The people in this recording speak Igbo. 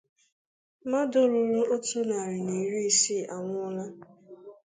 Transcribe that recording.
mmadụ ruru otu narị na iri isii anwụọla